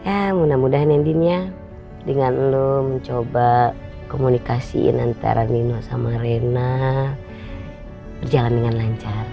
ya mudah mudahan ya din ya dengan lo mencoba komunikasiin antara nino sama rena berjalan dengan lancar